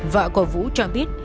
vợ của vũ cho biết